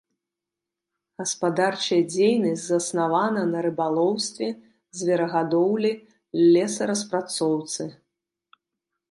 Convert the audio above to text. Гаспадарчая дзейнасць заснавана на рыбалоўстве, зверагадоўлі, лесараспрацоўцы.